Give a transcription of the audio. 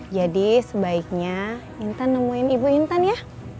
jadi sebaiknya intan nemuin ibu intan ya